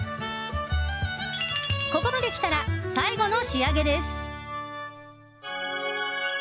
ここまで来たら最後の仕上げです。